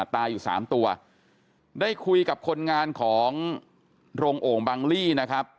ตายอยู่สามตัวได้คุยกับคนงานของโรงโอ่งบังลี่นะครับ